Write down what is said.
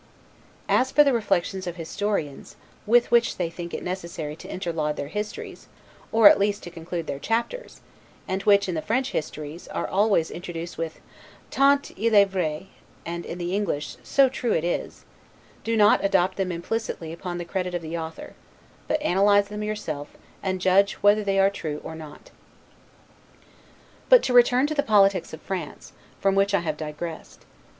As for the reflections of historians, with which they think it necessary to interlard their histories, or at least to conclude their chapters (and which, in the French histories, are always introduced with a 'tant il est vrai', and in the English, SO TRUE IT IS), do not adopt them implicitly upon the credit of the author, but analyze them yourself, and judge whether they are true or not. But to return to the politics of France, from which I have digressed.